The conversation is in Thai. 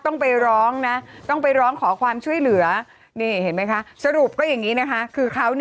ต้องไปร้องนะต้องไปร้องขอความช่วยเหลือนี่เห็นไหมคะสรุปก็อย่างนี้นะคะคือเขา